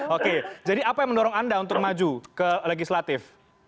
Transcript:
oke jadi apa yang mendorong anda untuk maju ke legislatif